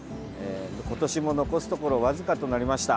今年も残すところ僅かとなりました。